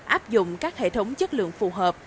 áp dụng các hệ thống chất lượng phù hợp